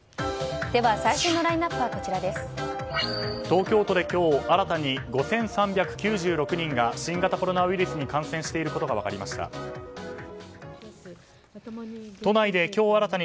東京都で今日新たに５３９６人が新型コロナウイルスに感染していることが分かりました。